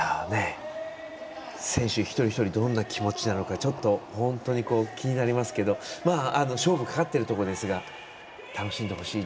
選手、一人一人どんな気持ちなのかちょっと本当に気になりますけど勝負、かかってるところですが楽しんでほしい。